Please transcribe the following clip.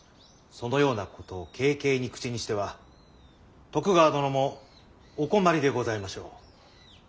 そのようなことを軽々に口にしては徳川殿もお困りでございましょう。